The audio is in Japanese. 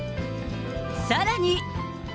さらに。